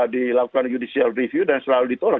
dilakukan judicial review dan selalu ditolak